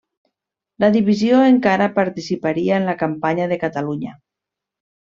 La divisió encara participaria en la campanya de Catalunya.